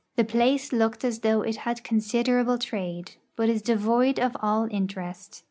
The place looked as though it had considerable trade, l>ut is devoid of all interest.